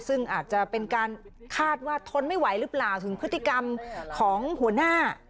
ซึ่งอาจจะเป็นการคาดว่าทนไม่ไหวหรือเปล่าถึงพฤติกรรมของหัวหน้า